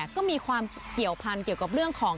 ก็มีความเกี่ยวพันธุ์เกี่ยวกับเรื่องของ